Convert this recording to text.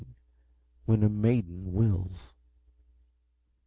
When a Maiden Wills.